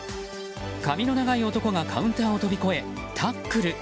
髪の長い男がカウンターを飛び越えタックル。